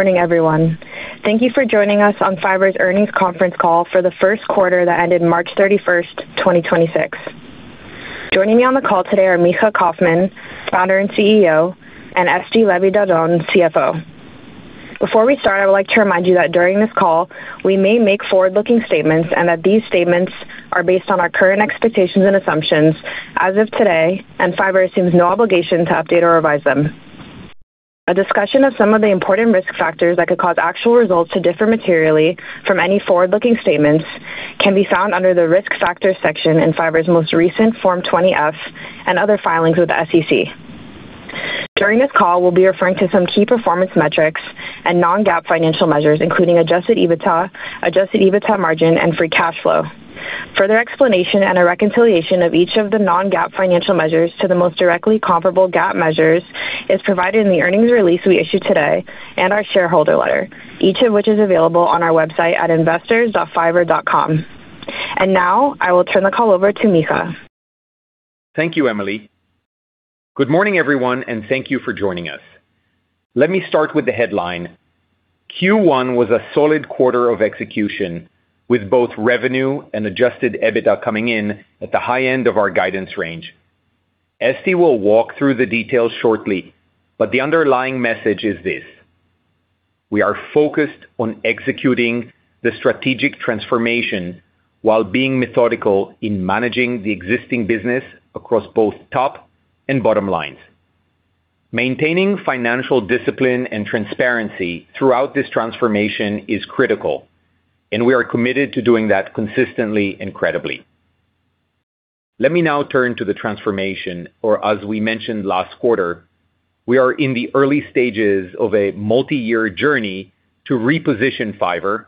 Morning, everyone. Thank you for joining us on Fiverr's earnings conference call for the first quarter that ended March 31st, 2026. Joining me on the call today are Micha Kaufman, Founder and CEO, and Esti Levy Dagon, CFO. Before we start, I would like to remind you that during this call, we may make forward-looking statements and that these statements are based on our current expectations and assumptions as of today, Fiverr assumes no obligation to update or revise them. A discussion of some of the important risk factors that could cause actual results to differ materially from any forward-looking statements can be found under the Risk Factors section in Fiverr's most recent Form 20-F and other filings with the SEC. During this call, we'll be referring to some key performance metrics and non-GAAP financial measures, including adjusted EBITDA, adjusted EBITDA margin, and free cash flow. Further explanation and a reconciliation of each of the non-GAAP financial measures to the most directly comparable GAAP measures is provided in the earnings release we issued today and our shareholder letter, each of which is available on our website at investors.fiverr.com. Now, I will turn the call over to Micha. Thank you, Emily. Good morning, everyone, and thank you for joining us. Let me start with the headline. Q1 was a solid quarter of execution, with both revenue and adjusted EBITDA coming in at the high end of our guidance range. Esti will walk through the details shortly. The underlying message is this: We are focused on executing the strategic transformation while being methodical in managing the existing business across both top and bottom lines. Maintaining financial discipline and transparency throughout this transformation is critical, and we are committed to doing that consistently and incredibly. Let me now turn to the transformation, or as we mentioned last quarter, we are in the early stages of a multi-year journey to reposition Fiverr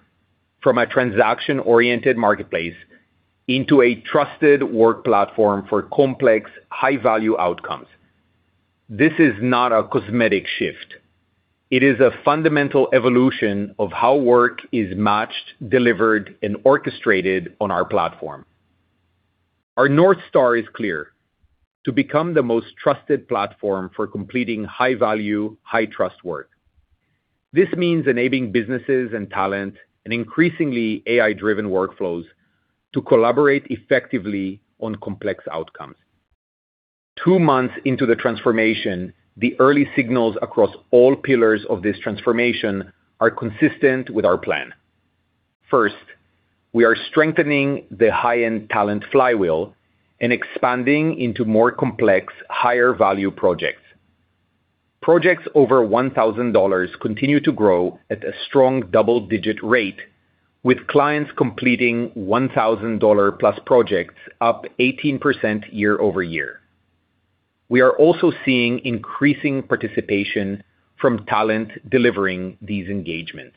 from a transaction-oriented marketplace into a trusted work platform for complex, high-value outcomes. This is not a cosmetic shift. It is a fundamental evolution of how work is matched, delivered, and orchestrated on our platform. Our North Star is clear, to become the most trusted platform for completing high-value, high-trust work. This means enabling businesses and talent, and increasingly AI-driven workflows to collaborate effectively on complex outcomes. Two months into the transformation, the early signals across all pillars of this transformation are consistent with our plan. First, we are strengthening the high-end talent flywheel and expanding into more complex, higher-value projects. Projects over $1,000 continue to grow at a strong double-digit rate, with clients completing $1,000+ projects up 18% year-over-year. We are also seeing increasing participation from talent delivering these engagements.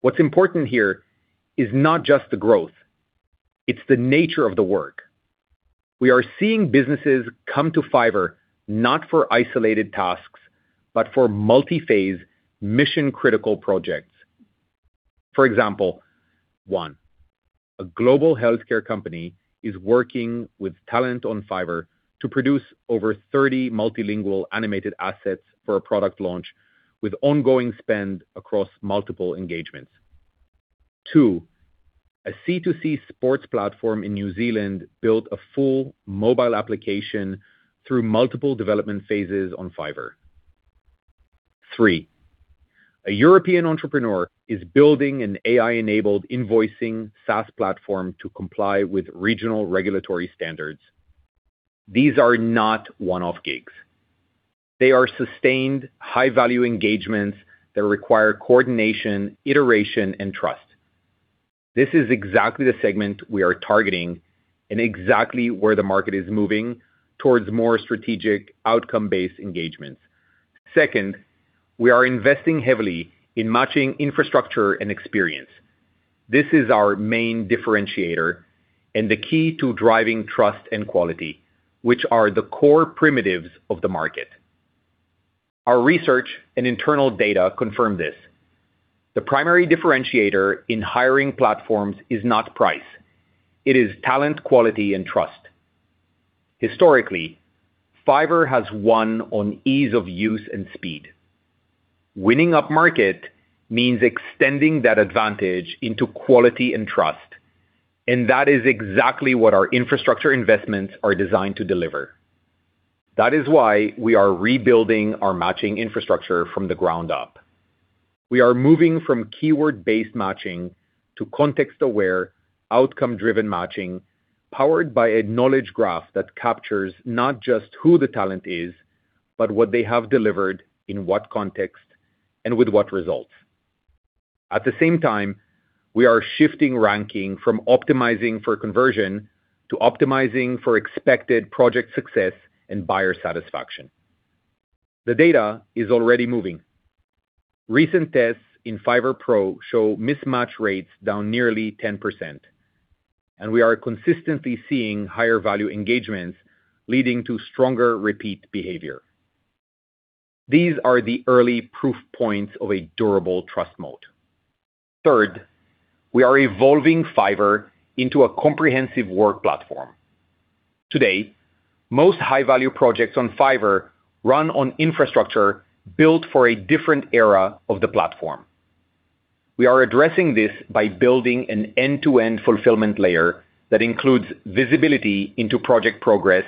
What's important here is not just the growth, it's the nature of the work. We are seeing businesses come to Fiverr not for isolated tasks, but for multi-phase mission-critical projects. For example, one, a global healthcare company is working with talent on Fiverr to produce over 30 multilingual animated assets for a product launch with ongoing spend across multiple engagements. Two, a C2C sports platform in New Zealand built a full mobile application through multiple development phases on Fiverr. Three, a European entrepreneur is building an AI-enabled invoicing SaaS platform to comply with regional regulatory standards. These are not one-off gigs. They are sustained, high-value engagements that require coordination, iteration, and trust. This is exactly the segment we are targeting and exactly where the market is moving towards more strategic outcome-based engagements. Second, we are investing heavily in matching infrastructure and experience. This is our main differentiator and the key to driving trust and quality, which are the core primitives of the market. Our research and internal data confirm this. The primary differentiator in hiring platforms is not price. It is talent, quality, and trust. Historically, Fiverr has won on ease of use and speed. Winning upmarket means extending that advantage into quality and trust, and that is exactly what our infrastructure investments are designed to deliver. That is why we are rebuilding our matching infrastructure from the ground up. We are moving from keyword-based matching to context-aware, outcome-driven matching, powered by a knowledge graph that captures not just who the talent is, but what they have delivered in what context and with what results. At the same time, we are shifting ranking from optimizing for conversion to optimizing for expected project success and buyer satisfaction. The data is already moving. Recent tests in Fiverr Pro show mismatch rates down nearly 10%, and we are consistently seeing higher value engagements leading to stronger repeat behavior. These are the early proof points of a durable trust mode. Third, we are evolving Fiverr into a comprehensive work platform. Today, most high-value projects on Fiverr run on infrastructure built for a different era of the platform. We are addressing this by building an end-to-end fulfillment layer that includes visibility into project progress,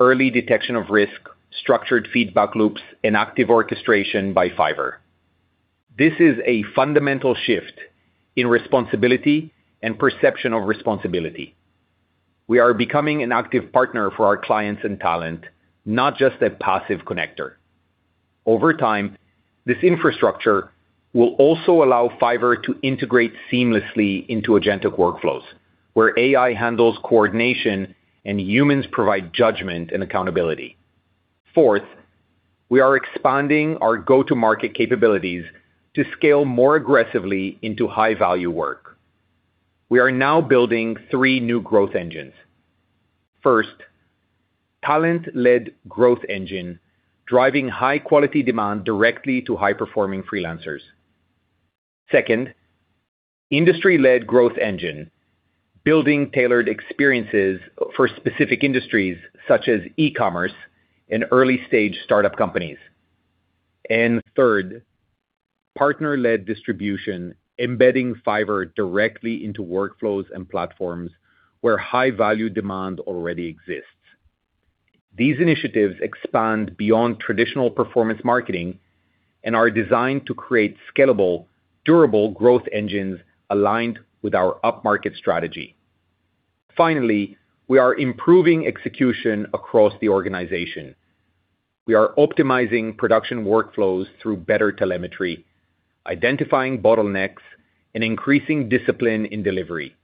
early detection of risk, structured feedback loops, and active orchestration by Fiverr. This is a fundamental shift in responsibility and perception of responsibility. We are becoming an active partner for our clients and talent, not just a passive connector. Over time, this infrastructure will also allow Fiverr to integrate seamlessly into agentic workflows, where AI handles coordination and humans provide judgment and accountability. Fourth, we are expanding our go-to-market capabilities to scale more aggressively into high-value work. We are now building three new growth engines. First, talent-led growth engine, driving high-quality demand directly to high-performing freelancers. Second, industry-led growth engine, building tailored experiences for specific industries, such as e-commerce and early-stage startup companies. Third, partner-led distribution, embedding Fiverr directly into workflows and platforms where high-value demand already exists. These initiatives expand beyond traditional performance marketing and are designed to create scalable, durable growth engines aligned with our up-market strategy. Finally, we are improving execution across the organization. We are optimizing production workflows through better telemetry, identifying bottlenecks, and increasing discipline in delivery.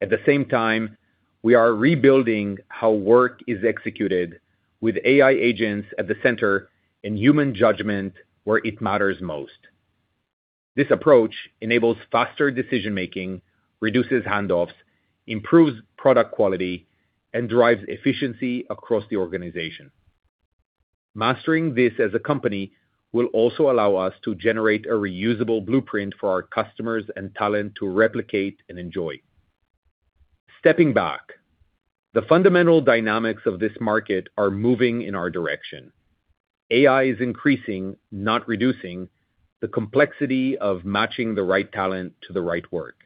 At the same time, we are rebuilding how work is executed with AI agents at the center and human judgment where it matters most. This approach enables faster decision-making, reduces handoffs, improves product quality, and drives efficiency across the organization. Mastering this as a company will also allow us to generate a reusable blueprint for our customers and talent to replicate and enjoy. Stepping back, the fundamental dynamics of this market are moving in our direction. AI is increasing, not reducing, the complexity of matching the right talent to the right work.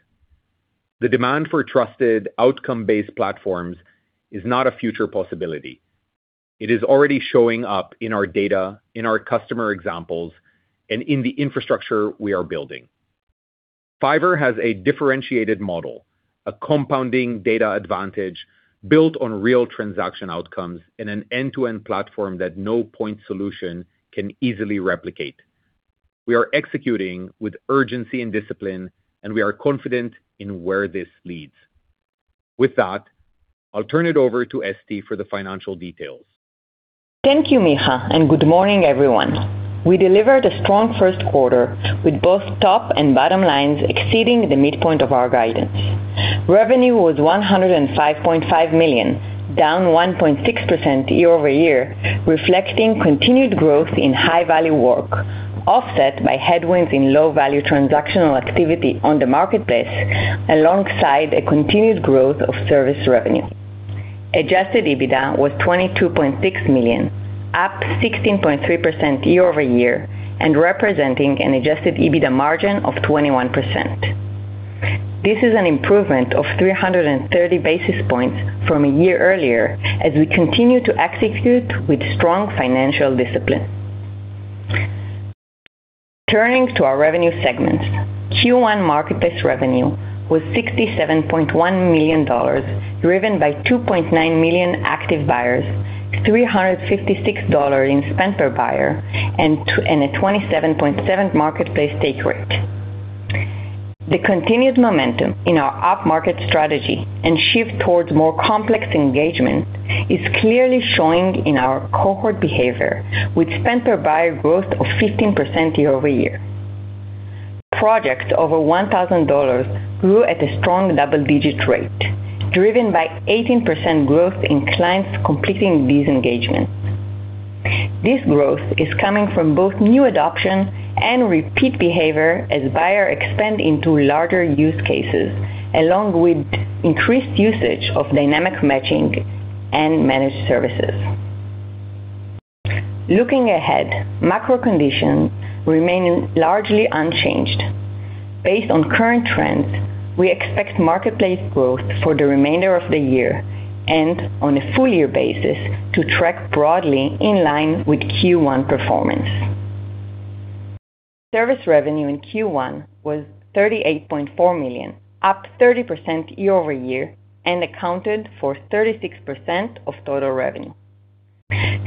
The demand for trusted outcome-based platforms is not a future possibility. It is already showing up in our data, in our customer examples, and in the infrastructure we are building. Fiverr has a differentiated model, a compounding data advantage built on real transaction outcomes in an end-to-end platform that no point solution can easily replicate. We are executing with urgency and discipline, and we are confident in where this leads. With that, I'll turn it over to Esti for the financial details. Thank you, Micha, and good morning, everyone. We delivered a strong first quarter with both top and bottom lines exceeding the midpoint of our guidance. Revenue was $105.5 million, down 1.6% year-over-year, reflecting continued growth in high-value work, offset by headwinds in low-value transactional activity on the marketplace alongside a continued growth of service revenue. Adjusted EBITDA was $22.6 million, up 16.3% year-over-year and representing an adjusted EBITDA margin of 21%. This is an improvement of 330 basis points from a year earlier as we continue to execute with strong financial discipline. Turning to our revenue segments, Q1 marketplace revenue was $67.1 million, driven by 2.9 million active buyers, $356 in spend per buyer, and a 27.7 marketplace take rate. The continued momentum in our up-market strategy and shift towards more complex engagement is clearly showing in our cohort behavior with spend per buyer growth of 15% year-over-year. Projects over $1,000 grew at a strong double-digit rate, driven by 18% growth in clients completing these engagements. This growth is coming from both new adoption and repeat behavior as buyer expand into larger use cases, along with increased usage of dynamic matching and managed services. Looking ahead, macro conditions remain largely unchanged. Based on current trends, we expect marketplace growth for the remainder of the year and on a full year basis to track broadly in line with Q1 performance. Service revenue in Q1 was $38.4 million, up 30% year-over-year and accounted for 36% of total revenue.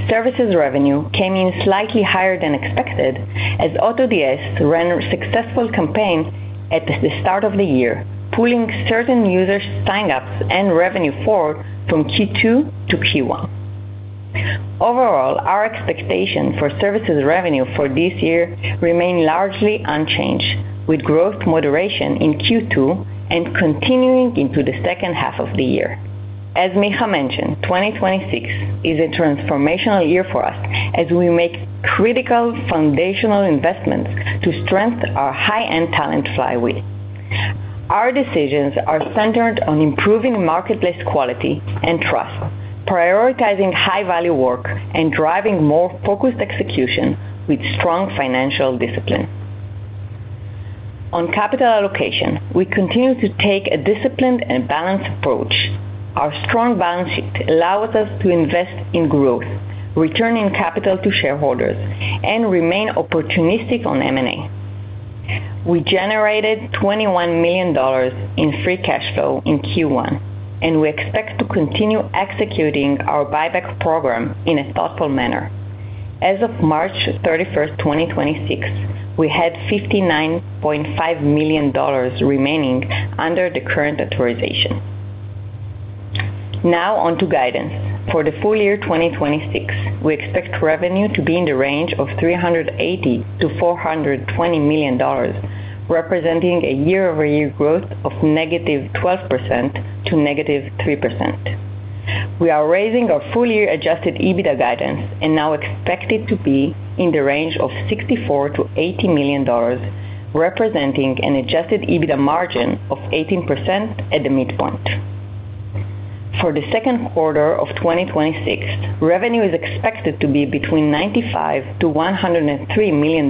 Services revenue came in slightly higher than expected as AutoDS ran successful campaigns at the start of the year, pulling certain users sign-ups and revenue forward from Q2 to Q1. Overall, our expectation for services revenue for this year remain largely unchanged, with growth moderation in Q2 and continuing into the second half of the year. As Micha mentioned, 2026 is a transformational year for us as we make critical foundational investments to strengthen our high-end talent flywheel. Our decisions are centered on improving marketplace quality and trust, prioritizing high-value work, and driving more focused execution with strong financial discipline. On capital allocation, we continue to take a disciplined and balanced approach. Our strong balance sheet allows us to invest in growth, returning capital to shareholders, and remain opportunistic on M&A. We generated $21 million in free cash flow in Q1, and we expect to continue executing our buyback program in a thoughtful manner. As of March 31st, 2026, we had $59.5 million remaining under the current authorization. Now on to guidance. For the full year 2026, we expect revenue to be in the range of $380 million-$420 million, representing a year-over-year growth of -12% to -3%. We are raising our full-year adjusted EBITDA guidance and now expect it to be in the range of $64 million-$80 million, representing an adjusted EBITDA margin of 18% at the midpoint. For the second quarter of 2026, revenue is expected to be between $95 million-$103 million,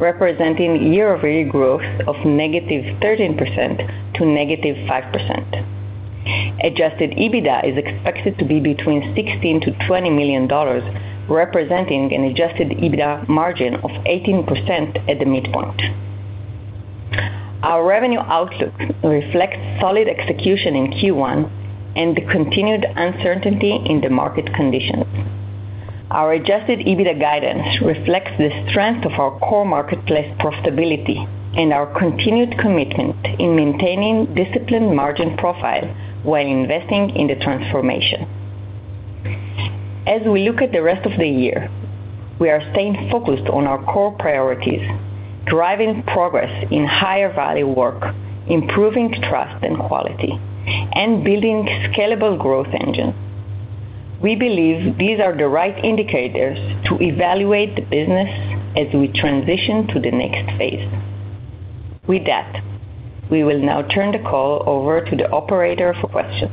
representing year-over-year growth of -13% to -5%. Adjusted EBITDA is expected to be between $16 million-$20 million, representing an adjusted EBITDA margin of 18% at the midpoint. Our revenue outlook reflects solid execution in Q1 and the continued uncertainty in the market conditions. Our adjusted EBITDA guidance reflects the strength of our core marketplace profitability and our continued commitment in maintaining disciplined margin profile while investing in the transformation. As we look at the rest of the year, we are staying focused on our core priorities, driving progress in higher value work, improving trust and quality, and building scalable growth engine. We believe these are the right indicators to evaluate the business as we transition to the next phase. With that, we will now turn the call over to the operator for questions.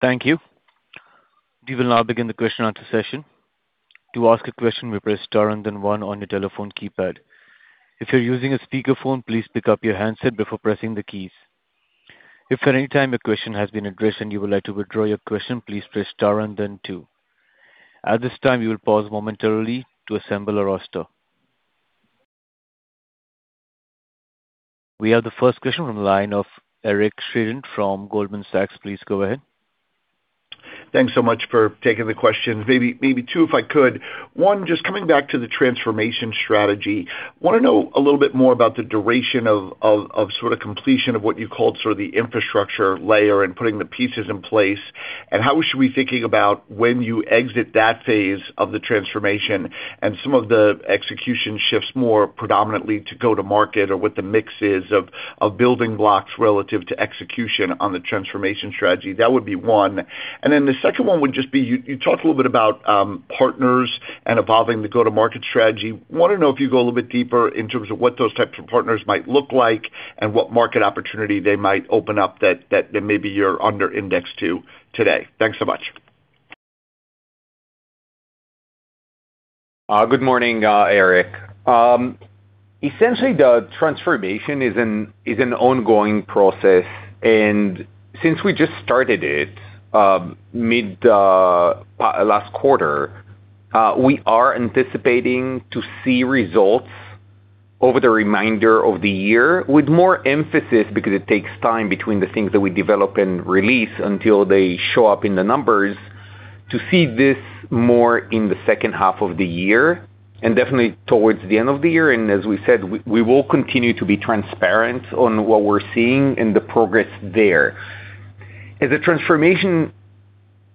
Thank you. We will now begin the question-and-answer session. To ask a question, you may press star and then one on your telephone keypad. If you're using a speakerphone, please pick up your handset before pressing the keys. If at any time your question has been addressed and you would like to withdraw your question, please press star and then two. At this time, we will pause momentarily to assemble a roster. We have the first question from the line of Eric Sheridan from Goldman Sachs. Please go ahead. Thanks so much for taking the questions. Maybe two, if I could. One, just coming back to the transformation strategy, want to know a little bit more about the duration of completion of what you called the infrastructure layer and putting the pieces in place, and how should we be thinking about when you exit that phase of the transformation and some of the execution shifts more predominantly to go-to-market or what the mix is of building blocks relative to execution on the transformation strategy? That would be one. The second one would just be, you talked a little bit about partners and evolving the go-to-market strategy. Want to know if you go a little bit deeper in terms of what those types of partners might look like and what market opportunity they might open up that maybe you're under indexed to today? Thanks so much. Good morning, Eric. Essentially, the transformation is an ongoing process, since we just started it mid last quarter, we are anticipating to see results over the remainder of the year with more emphasis because it takes time between the things that we develop and release until they show up in the numbers to see this more in the second half of the year and definitely towards the end of the year. As we said, we will continue to be transparent on what we're seeing and the progress there. As a transformation,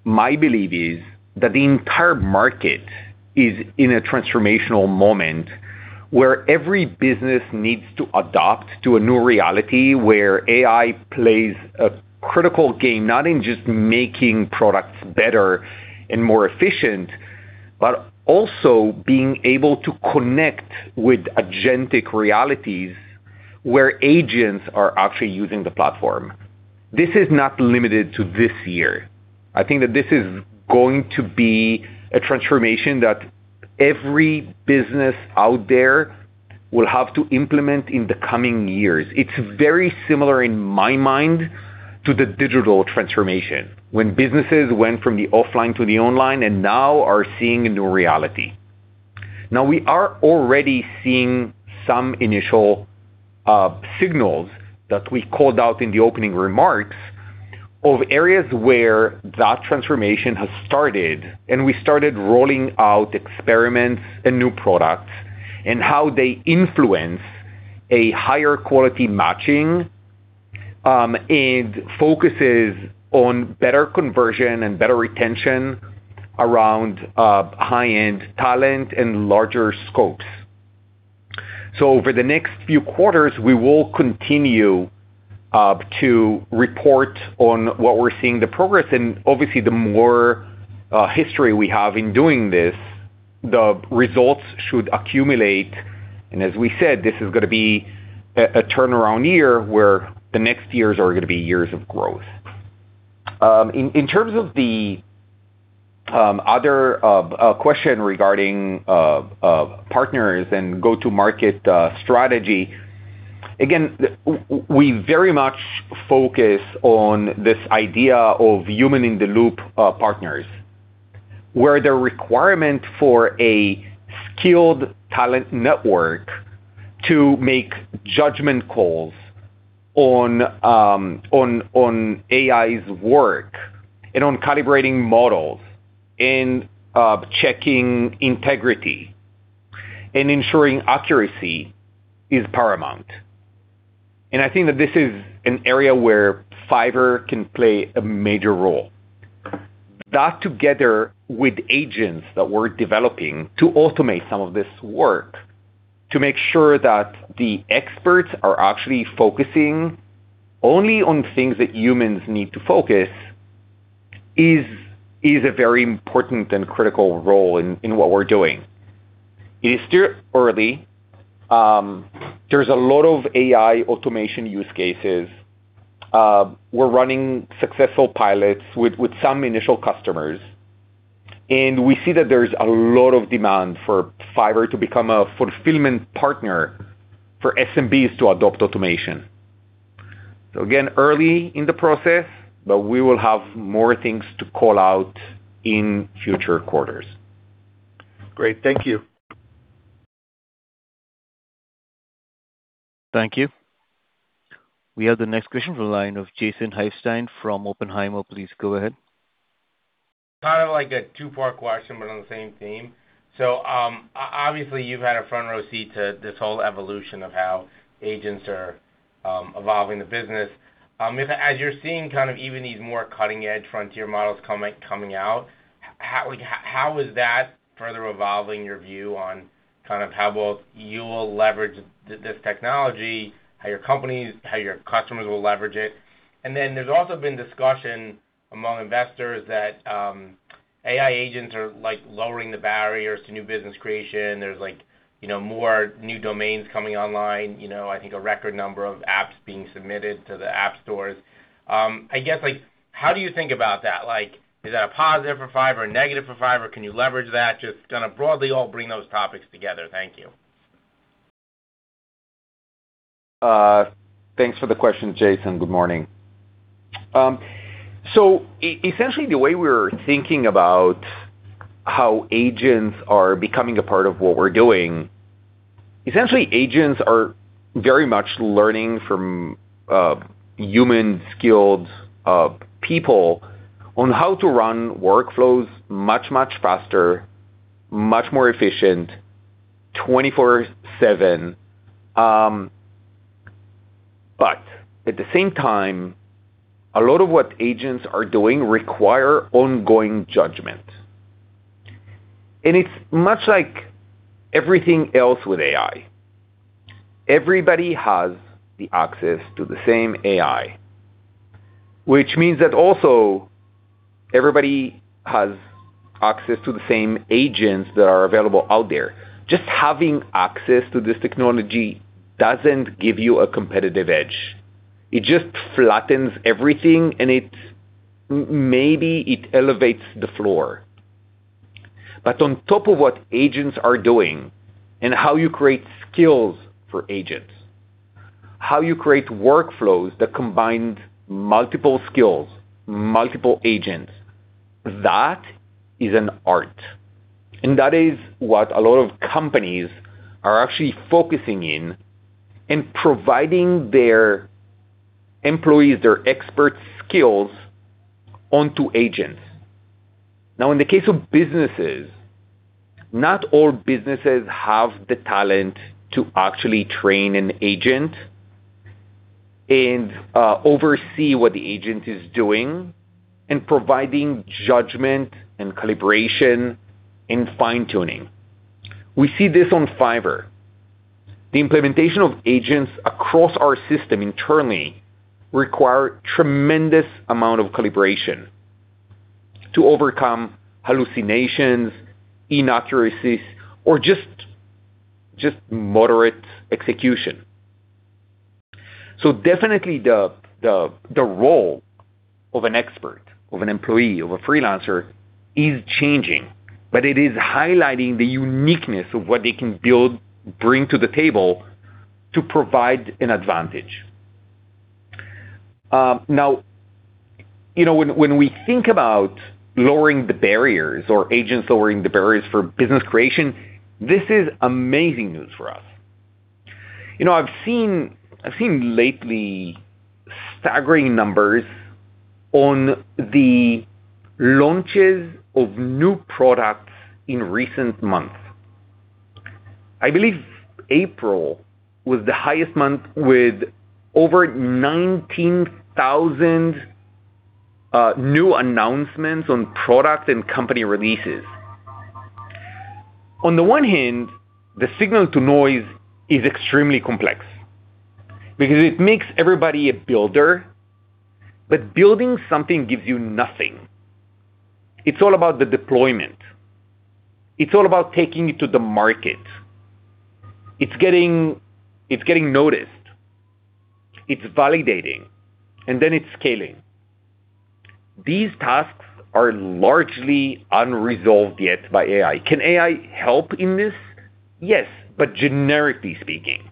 my belief is that the entire market is in a transformational moment where every business needs to adapt to a new reality where AI plays a critical game, not in just making products better and more efficient, but also being able to connect with agentic realities where agents are actually using the platform. This is not limited to this year. I think that this is going to be a transformation that every business out there will have to implement in the coming years. It's very similar in my mind to the digital transformation when businesses went from the offline to the online and now are seeing a new reality. We are already seeing some initial signals that we called out in the opening remarks of areas where that transformation has started, and we started rolling out experiments and new products and how they influence a higher quality matching, and focuses on better conversion and better retention around high-end talent and larger scopes. Over the next few quarters, we will continue to report on what we're seeing the progress in. Obviously, the more history we have in doing this, the results should accumulate. As we said, this is going to be a turnaround year where the next years are going to be years of growth. In terms of the other question regarding partners and go-to-market strategy, again, we very much focus on this idea of human-in-the-loop partners, where the requirement for a skilled talent network to make judgment calls on AI's work and on calibrating models and checking integrity and ensuring accuracy is paramount. I think that this is an area where Fiverr can play a major role. That together with agents that we're developing to automate some of this work, to make sure that the experts are actually focusing only on things that humans need to focus is a very important and critical role in what we're doing. It is still early. There's a lot of AI automation use cases. We're running successful pilots with some initial customers, and we see that there's a lot of demand for Fiverr to become a fulfillment partner for SMBs to adopt automation. Again, early in the process, but we will have more things to call out in future quarters. Great. Thank you. Thank you. We have the next question from the line of Jason Helfstein from Oppenheimer. Please go ahead. Kind of like a two-part question, but on the same theme. Obviously, you've had a front row seat to this whole evolution of how agents are evolving the business. As you're seeing kind of even these more cutting-edge frontier models coming out, how is that further evolving your view on kind of how both you will leverage this technology, how your companies, how your customers will leverage it? There's also been discussion among investors that AI agents are, like, lowering the barriers to new business creation. There's like, you know, more new domains coming online. You know, I think a record number of apps being submitted to the app stores. I guess, like, how do you think about that? Like, is that a positive for Fiverr, a negative for Fiverr? Can you leverage that? Just kind of broadly all bring those topics together. Thank you. Thanks for the question, Jason. Good morning. Essentially, the way we're thinking about how agents are becoming a part of what we're doing, essentially, agents are very much learning from human skilled people on how to run workflows much, much faster, much more efficient, 24/7. At the same time, a lot of what agents are doing require ongoing judgment. It's much like everything else with AI. Everybody has the access to the same AI. Everybody has access to the same agents that are available out there. Having access to this technology doesn't give you a competitive edge. It just flattens everything, and it maybe elevates the floor. On top of what agents are doing and how you create skills for agents, how you create workflows that combine multiple skills, multiple agents, that is an art. That is what a lot of companies are actually focusing in and providing their employees, their expert skills onto agents. In the case of businesses, not all businesses have the talent to actually train an agent and oversee what the agent is doing and providing judgment and calibration and fine-tuning. We see this on Fiverr. The implementation of agents across our system internally require tremendous amount of calibration to overcome hallucinations, inaccuracies, or just moderate execution. Definitely the role of an expert, of an employee, of a freelancer is changing, but it is highlighting the uniqueness of what they can bring to the table to provide an advantage. You know, when we think about lowering the barriers or agents lowering the barriers for business creation, this is amazing news for us. You know, I've seen lately staggering numbers on the launches of new products in recent months. I believe April was the highest month with over 19,000 new announcements on product and company releases. On the one hand, the signal-to-noise is extremely complex because it makes everybody a builder. Building something gives you nothing. It's all about the deployment. It's all about taking it to the market. It's getting noticed, it's validating, and then it's scaling. These tasks are largely unresolved yet by AI. Can AI help in this? Yes, but generically speaking,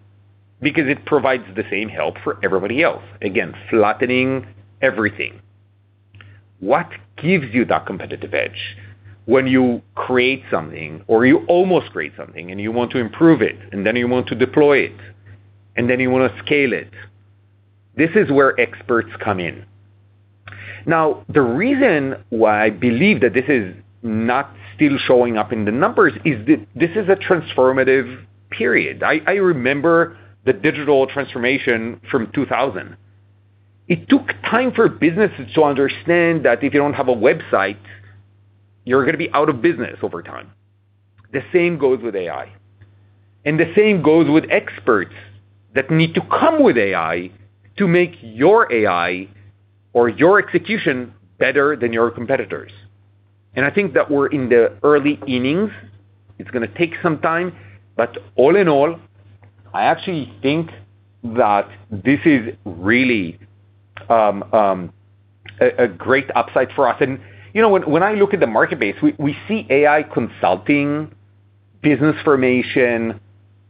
because it provides the same help for everybody else. Again, flattening everything. What gives you that competitive edge when you create something or you almost create something and you want to improve it, and then you want to deploy it, and then you want to scale it? This is where experts come in. Now, the reason why I believe that this is not still showing up in the numbers is that this is a transformative period. I remember the digital transformation from 2000. It took time for businesses to understand that if you don't have a website, you're going to be out of business over time. The same goes with AI, and the same goes with experts that need to come with AI to make your AI or your execution better than your competitors. I think that we're in the early innings. It's going to take some time. All in all, I actually think that this is really a great upside for us. You know, when I look at the market base, we see AI consulting, business formation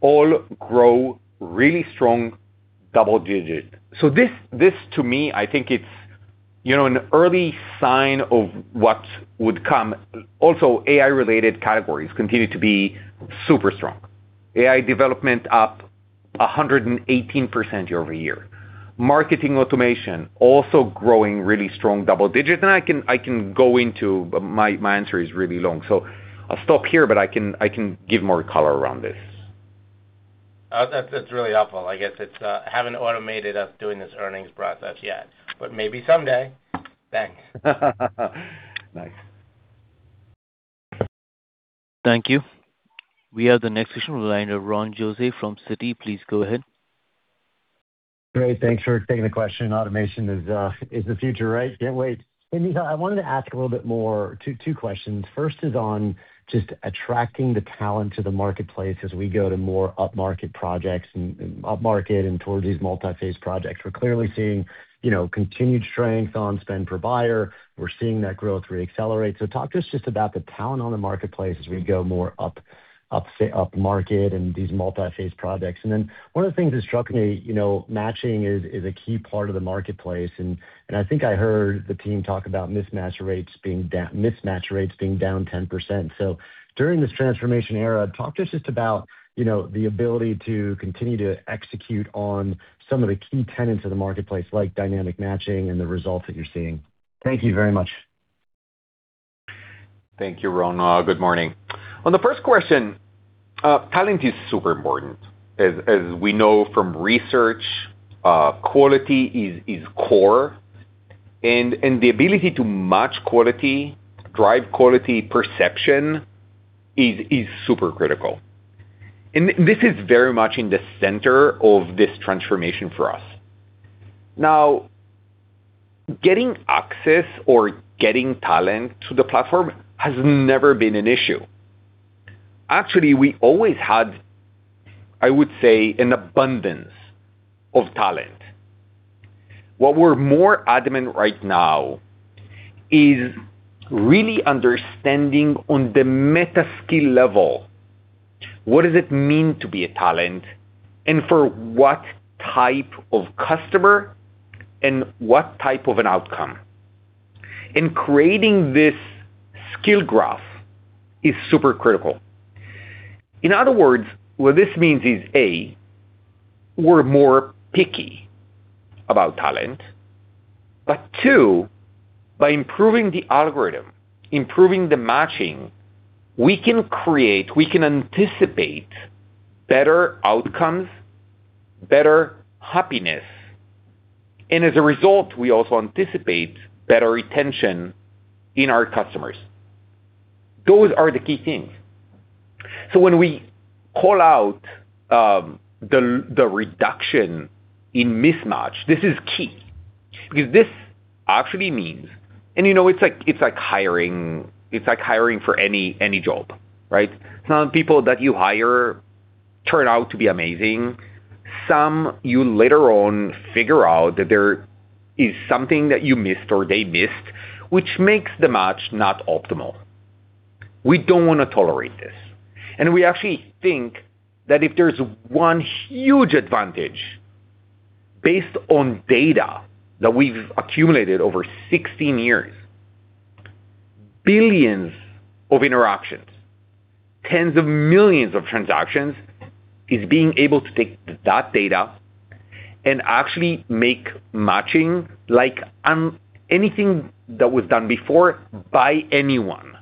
all grow really strong double-digit. This to me, I think it's, you know, an early sign of what would come. Also, AI-related categories continue to be super strong. AI development up 118% year-over-year. Marketing automation also growing really strong double digits. My answer is really long, so I'll stop here, but I can give more color around this. That's really helpful. I guess it's haven't automated us doing this earnings process yet, but maybe someday. Thanks. Nice. Thank you. We have the next question on the line of Ron Josey from Citi. Please go ahead. Great. Thanks for taking the question. Automation is the future, right? Can't wait. Hey, Micha, I wanted to ask two questions. First is on just attracting the talent to the marketplace as we go to more upmarket projects and towards these multi-phase projects. We're clearly seeing, you know, continued strength on spend per buyer. We're seeing that growth re-accelerate. Talk to us just about the talent on the marketplace as we go more upmarket and these multi-phase projects. One of the things that struck me, you know, matching is a key part of the marketplace, and I think I heard the team talk about mismatch rates being down 10%. During this transformation era, talk to us just about, you know, the ability to continue to execute on some of the key tenets of the marketplace, like dynamic matching and the results that you're seeing. Thank you very much. Thank you, Ron. Good morning. On the first question, talent is super important. As we know from research, quality is core and the ability to match quality, drive quality perception is super critical. This is very much in the center of this transformation for us. Now, getting access or getting talent to the platform has never been an issue. Actually, we always had, I would say, an abundance of talent. What we're more adamant right now is really understanding on the meta skill level, what does it mean to be a talent and for what type of customer and what type of an outcome. Creating this skill graph is super critical. In other words, what this means is, A, we're more picky about talent. Two, by improving the algorithm, improving the matching, we can anticipate better outcomes, better happiness, and as a result, we also anticipate better retention in our customers. Those are the key things. When we call out the reduction in mismatch, this is key because this actually means. You know, it's like hiring for any job, right? Some people that you hire turn out to be amazing. Some you later on figure out that there is something that you missed or they missed, which makes the match not optimal. We don't wanna tolerate this. We actually think that if there's one huge advantage based on data that we've accumulated over 16 years, billions of interactions, tens of millions of transactions, is being able to take that data and actually make matching like anything that was done before by anyone.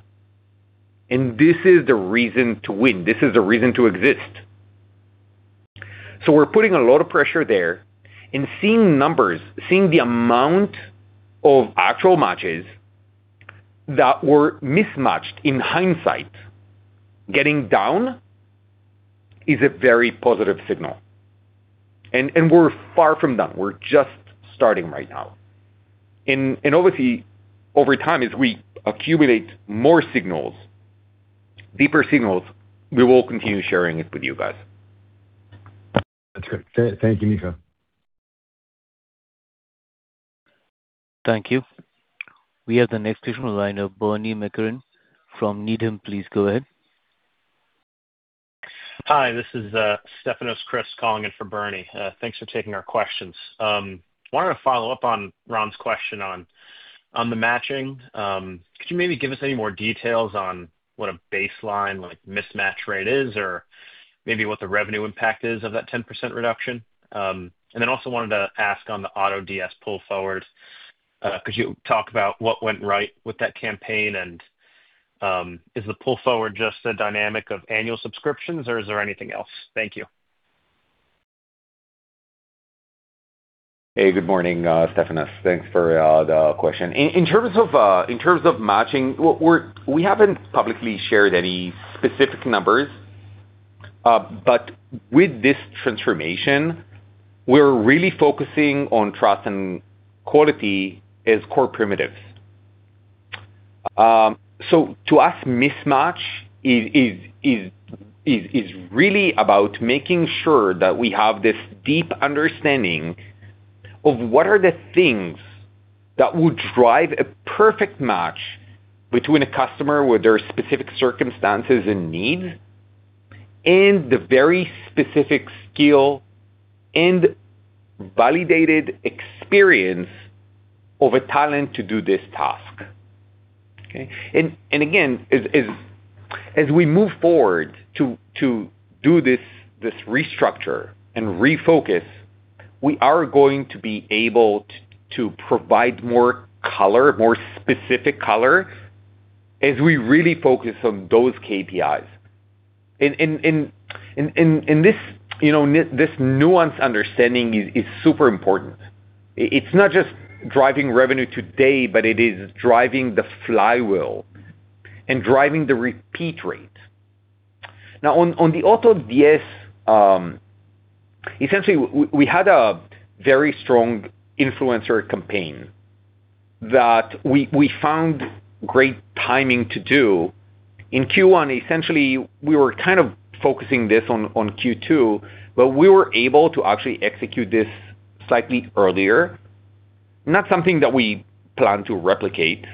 This is the reason to win. This is the reason to exist. We're putting a lot of pressure there and seeing numbers, seeing the amount of actual matches that were mismatched in hindsight, getting down is a very positive signal. We're far from done. We're just starting right now. Obviously, over time, as we accumulate more signals, deeper signals, we will continue sharing it with you guys. That's great. Thank you, Micha. Thank you. We have the next additional line of Bernie McTernan from Needham & Company. Please go ahead. Hi, this is Stefanos Crist calling in for Bernie. Thanks for taking our questions. Wanted to follow up on Ron's question on the matching. Could you maybe give us any more details on what a baseline like mismatch rate is or maybe what the revenue impact is of that 10% reduction? Also wanted to ask on the AutoDS pull forward, could you talk about what went right with that campaign? Is the pull forward just a dynamic of annual subscriptions, or is there anything else? Thank you. Hey, good morning, Stefanos. Thanks for the question. In terms of matching, we haven't publicly shared any specific numbers. With this transformation, we're really focusing on trust and quality as core primitives. To us, mismatch is really about making sure that we have this deep understanding of what are the things that would drive a perfect match between a customer with their specific circumstances and needs, and the very specific skill and validated experience of a talent to do this task. Okay. Again, as we move forward to do this restructure and refocus, we are going to be able to provide more specific color, as we really focus on those KPIs. This, you know, this nuance understanding is super important. It's not just driving revenue today, but it is driving the flywheel and driving the repeat rate. On the AutoDS, essentially we had a very strong influencer campaign that we found great timing to do. In Q1, essentially, we were kind of focusing this on Q2, but we were able to actually execute this slightly earlier. Not something that we plan to replicate,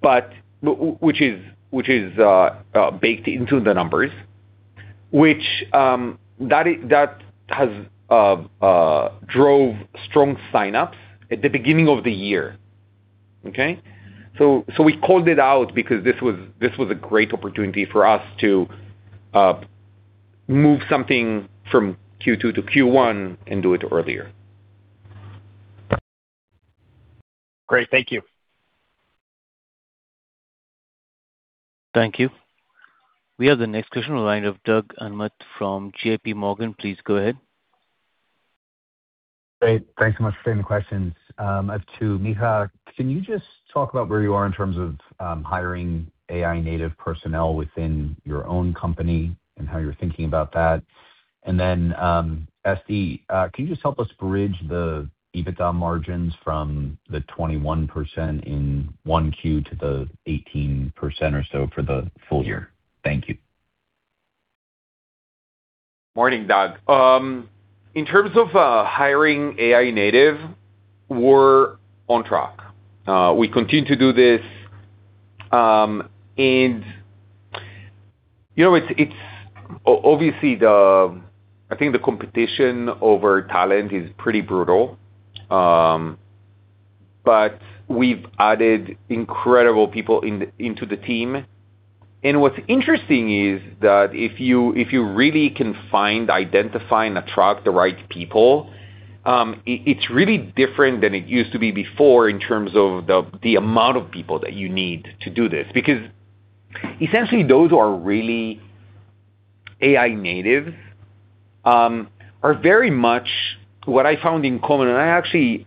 but which is baked into the numbers, which that has drove strong signups at the beginning of the year. Okay? We called it out because this was a great opportunity for us to move something from Q2 to Q1 and do it earlier. Great. Thank you. Thank you. We have the next question in line of Doug Anmuth from JPMorgan. Please go ahead. Great. Thanks so much for taking the questions. To Micha, can you just talk about where you are in terms of hiring AI native personnel within your own company and how you're thinking about that? Then, Esti, can you just help us bridge the EBITDA margins from the 21% in 1Q to the 18% or so for the full year? Thank you. Morning, Doug. In terms of hiring AI native, we're on track. We continue to do this, you know, it's obviously I think the competition over talent is pretty brutal. We've added incredible people into the team. What's interesting is that if you really can find, identify and attract the right people, it's really different than it used to be before in terms of the amount of people that you need to do this. Essentially those who are really AI natives are very much what I found in common, and I actually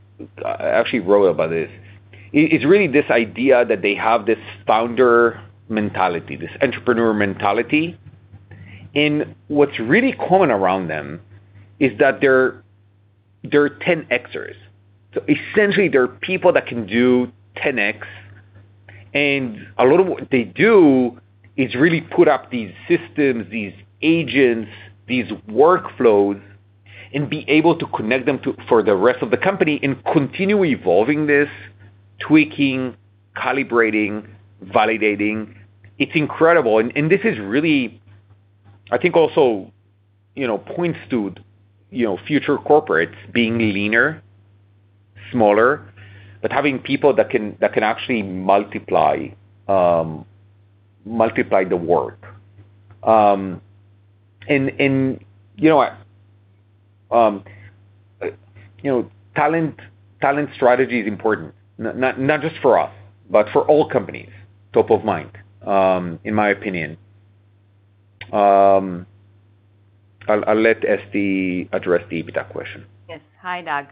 wrote about this. It's really this idea that they have this founder mentality, this entrepreneur mentality. What's really common around them is that they're 10xers. Essentially, they're people that can do 10x. A lot of what they do is really put up these systems, these agents, these workflows, and be able to connect them to for the rest of the company and continue evolving this, tweaking, calibrating, validating. It's incredible. This is really, I think, also, you know, points to, you know, future corporates being leaner, smaller, but having people that can actually multiply the work. You know what, you know, talent strategy is important, not just for us, but for all companies, top of mind, in my opinion. I'll let Esti address the EBITDA question. Yes. Hi, Doug.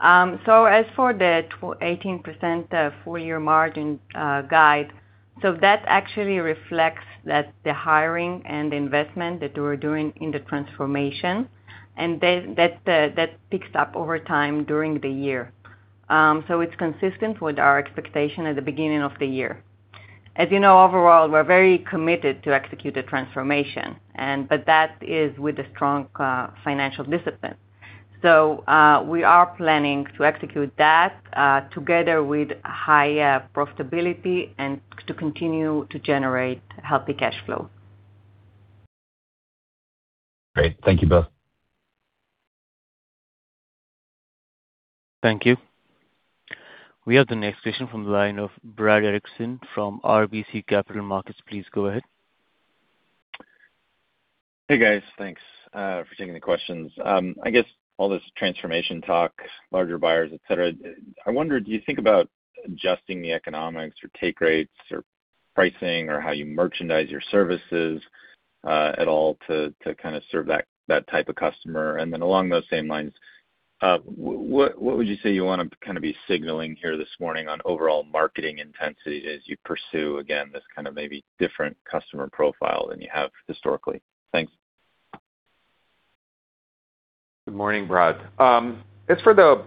As for the 18% full year margin guide, that actually reflects that the hiring and investment that we're doing in the transformation, and then that picks up over time during the year. It's consistent with our expectation at the beginning of the year. As you know, overall, we're very committed to execute the transformation. That is with a strong financial discipline. We are planning to execute that together with higher profitability and to continue to generate healthy cash flow. Great. Thank you both. Thank you. We have the next question from the line of Brad Erickson from RBC Capital Markets. Please go ahead. Hey, guys. Thanks for taking the questions. I guess all this transformation talk, larger buyers, etc., I wonder, do you think about adjusting the economics or take rates or pricing or how you merchandise your services at all to kind of serve that type of customer? Along those same lines, what would you say you want to kind of be signaling here this morning on overall marketing intensity as you pursue, again, this kind of maybe different customer profile than you have historically? Thanks. Good morning, Brad. As for the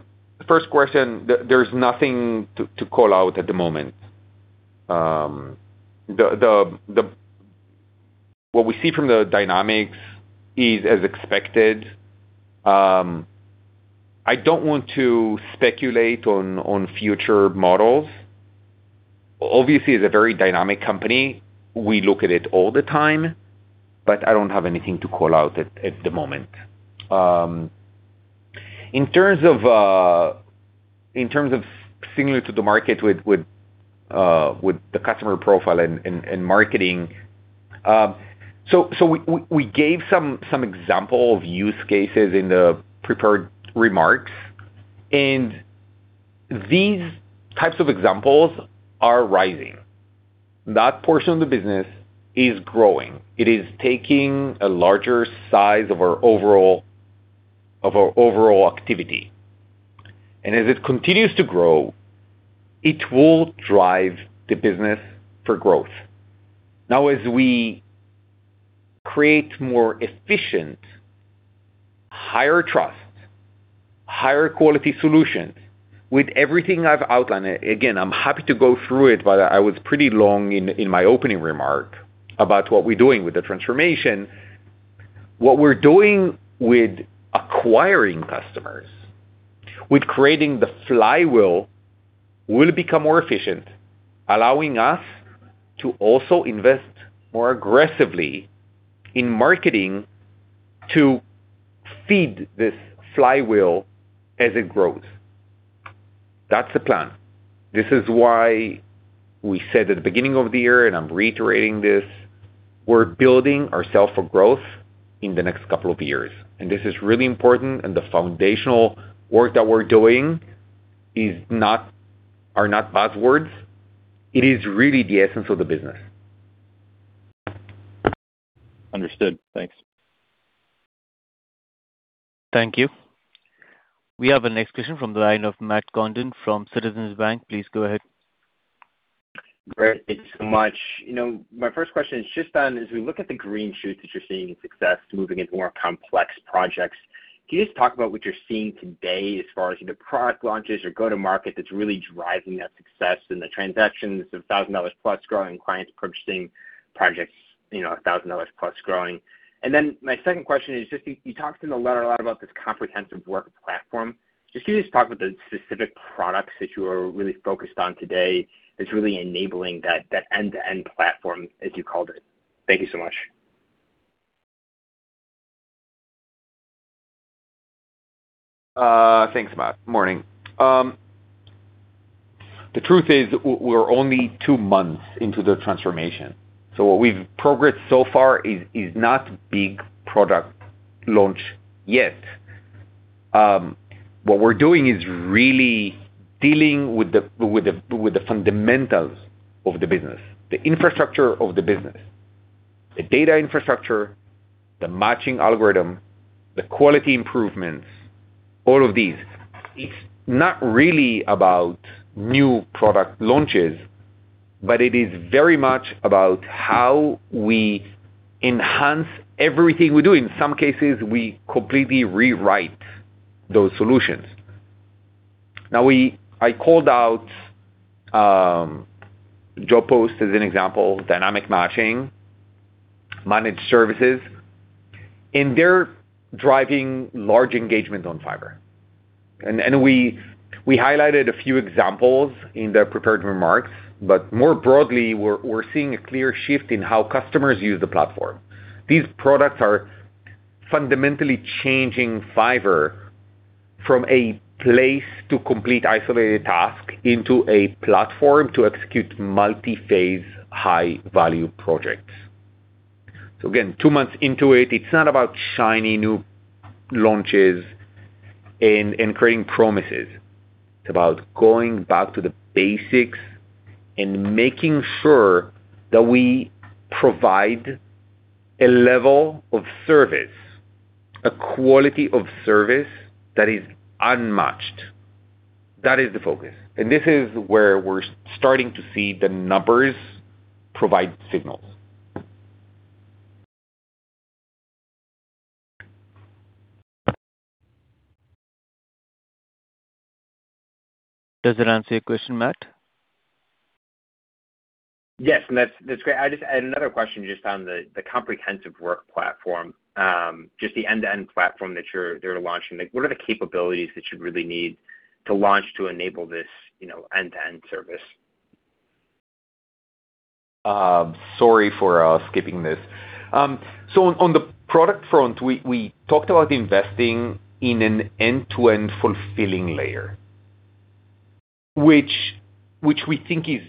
first question, there's nothing to call out at the moment. The what we see from the dynamics is as expected. I don't want to speculate on future models. Obviously, it's a very dynamic company. We look at it all the time, but I don't have anything to call out at the moment. In terms of signaling to the market with the customer profile and marketing, we gave some example of use cases in the prepared remarks, and these types of examples are rising. That portion of the business is growing. It is taking a larger size of our overall activity. As it continues to grow, it will drive the business for growth. As we create more efficient, higher trust, higher quality solutions with everything I've outlined, again, I'm happy to go through it, but I was pretty long in my opening remark about what we're doing with the transformation. What we're doing with acquiring customers, with creating the flywheel will become more efficient, allowing us to also invest more aggressively in marketing to feed this flywheel as it grows. That's the plan. This is why we said at the beginning of the year, and I'm reiterating this, we're building ourself for growth in the next couple of years. This is really important, and the foundational work that we're doing are not buzzwords. It is really the essence of the business. Understood. Thanks. Thank you. We have our next question from the line of Matt Condon from Citizens Bank. Please go ahead. Great. Thank you so much. You know, my first question is just on, as we look at the green shoots that you're seeing in success moving into more complex projects, can you just talk about what you're seeing today as far as either product launches or go-to-market that's really driving that success in the transactions of $1,000+ growing clients purchasing projects, you know, $1,000+ growing? Then my second question is just, you talked in the letter a lot about this comprehensive work platform. Can you just talk about the specific products that you are really focused on today that's really enabling that end-to-end platform, as you called it? Thank you so much. Thanks, Matt. Morning. The truth is, we're only two months into the transformation. What we've progressed so far is not big product launch yet. What we're doing is really dealing with the fundamentals of the business, the infrastructure of the business, the data infrastructure, the matching algorithm, the quality improvements, all of these. It's not really about new product launches, but it is very much about how we enhance everything we do. In some cases, we completely rewrite those solutions. Now, I called out job posts as an example, dynamic matching, managed services, and they're driving large engagement on Fiverr. We highlighted a few examples in the prepared remarks, but more broadly, we're seeing a clear shift in how customers use the platform. These products are fundamentally changing Fiverr from a place to complete isolated task into a platform to execute multi-phase high-value projects. Again, two months into it's not about shiny new launches and creating promises. It's about going back to the basics and making sure that we provide a level of service, a quality of service that is unmatched. That is the focus. This is where we're starting to see the numbers provide signals. Does that answer your question, Matt? Yes. That's great. I just had another question just on the comprehensive work platform, just the end-to-end platform that you're launching. Like, what are the capabilities that you really need to launch to enable this, you know, end-to-end service? Sorry for skipping this. On the product front, we talked about investing in an end-to-end fulfilling layer, which we think is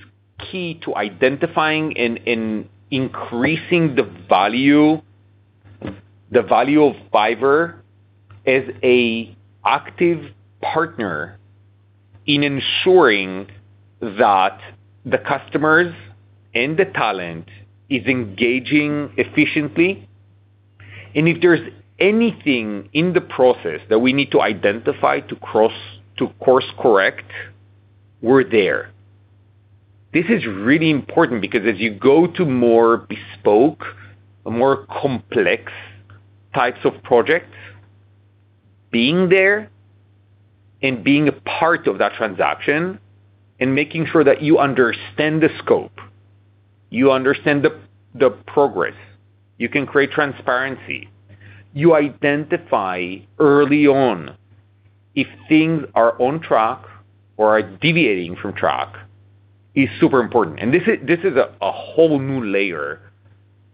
key to identifying and increasing the value of Fiverr as an active partner in ensuring that the customers and the talent is engaging efficiently. If there's anything in the process that we need to identify to course correct, we're there. This is really important because as you go to more bespoke, more complex types of projects, being there and being a part of that transaction and making sure that you understand the scope, you understand the progress, you can create transparency. You identify early on if things are on track or are deviating from track is super important. This is a whole new layer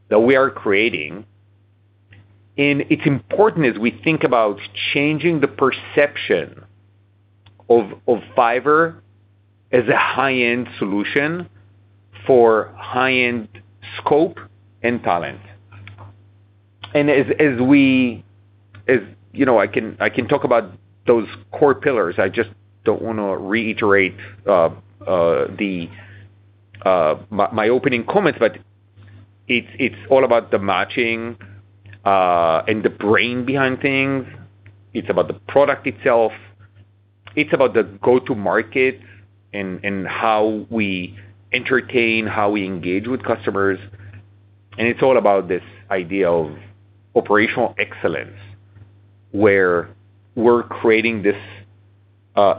that we are creating. It's important as we think about changing the perception of Fiverr as a high-end solution for high-end scope and talent. You know, I can talk about those core pillars. I just don't want to reiterate the my opening comments, it's all about the matching and the brain behind things. It's about the product itself. It's about the go-to-market and how we entertain, how we engage with customers. It's all about this idea of operational excellence, where we're creating this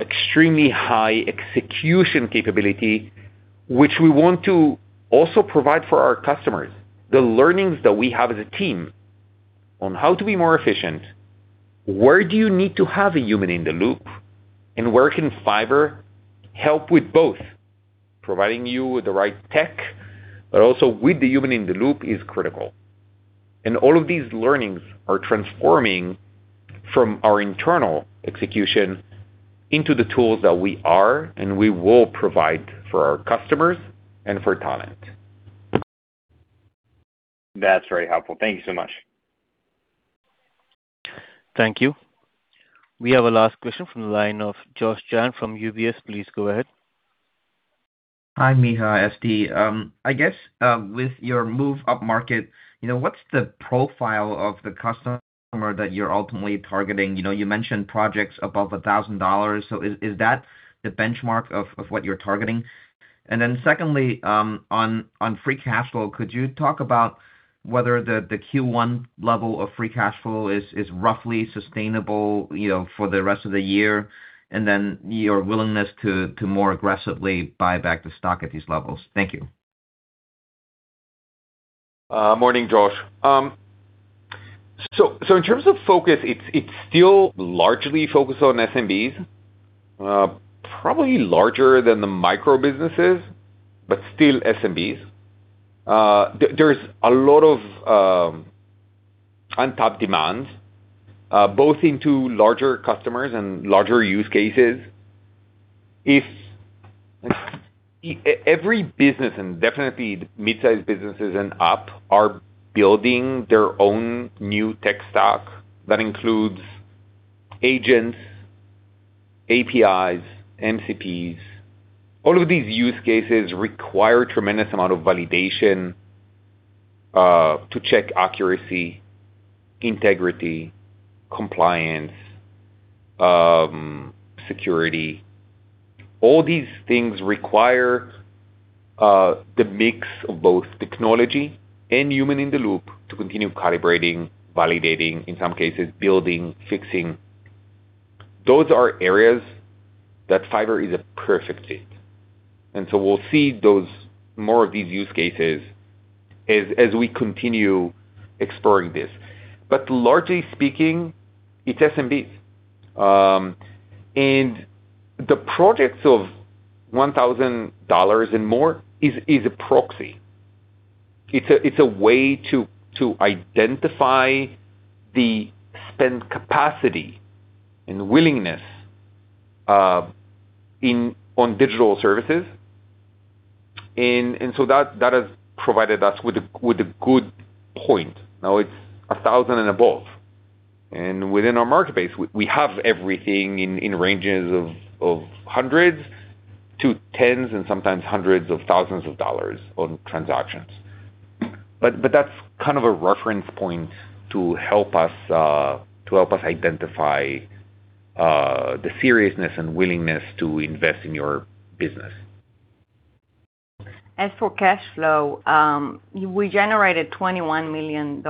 extremely high execution capability, which we want to also provide for our customers. The learnings that we have as a team on how to be more efficient, where do you need to have a human in the loop, and where can Fiverr help with both providing you with the right tech, but also with the human in the loop is critical. All of these learnings are transforming from our internal execution into the tools that we are and we will provide for our customers and for talent. That's very helpful. Thank you so much. Thank you. We have a last question from the line of Joshua Chan from UBS. Please go ahead. Hi, Micha, Esti. I guess, with your move upmarket, you know, what's the profile of the customer that you're ultimately targeting? You know, you mentioned projects above $1,000. Is that the benchmark of what you're targeting? Secondly, on free cash flow, could you talk about whether the Q1 level of free cash flow is roughly sustainable, you know, for the rest of the year, and then your willingness to more aggressively buy back the stock at these levels? Thank you. Morning, Josh. In terms of focus, it's still largely focused on SMBs, probably larger than the micro businesses, but still SMBs. There's a lot of on-top demands, both into larger customers and larger use cases. If every business, and definitely mid-sized businesses and up, are building their own new tech stack that includes agents, APIs, MCPs, all of these use cases require a tremendous amount of validation to check accuracy, integrity, compliance, security. All these things require the mix of both technology and human in the loop to continue calibrating, validating, in some cases building, fixing. Those are areas that Fiverr is a perfect fit. We'll see those more of these use cases as we continue exploring this. Largely speaking, it's SMBs. The projects of $1,000 and more is a proxy. It's a way to identify the spend capacity and willingness on digital services. That has provided us with a good point. Now it's 1,000 and above. Within our market base, we have everything in ranges of hundreds to tens and sometimes hundreds of thousands of dollars on transactions. That's kind of a reference point to help us identify the seriousness and willingness to invest in your business. As for cash flow, we generated $21 million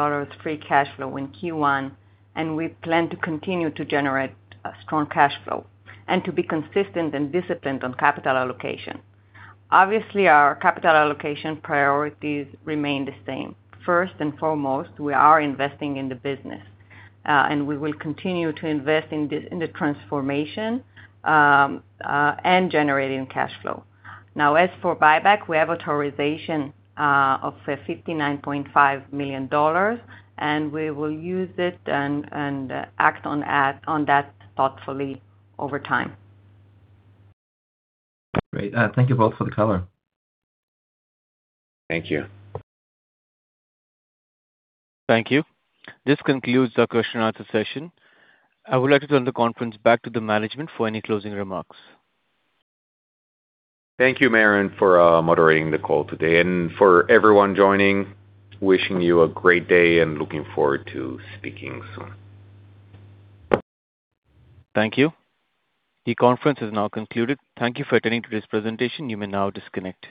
free cash flow in Q1, and we plan to continue to generate strong cash flow and to be consistent and disciplined on capital allocation. Obviously, our capital allocation priorities remain the same. First and foremost, we are investing in the business, and we will continue to invest in the transformation, and generating cash flow. Now, as for buyback, we have authorization of $59.5 million, and we will use it and act on that thoughtfully over time. Great. Thank you both for the color. Thank you. Thank you. This concludes the question-and-answer session. I would like to turn the conference back to the management for any closing remarks. Thank you, Marvin, for moderating the call today and for everyone joining, wishing you a great day and looking forward to speaking soon. Thank you. The conference is now concluded. Thank you for attending today's presentation. You may now disconnect.